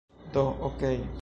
Do... okej